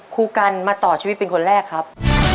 ครูกันมาต่อชีวิตเป็นคนแรกครับ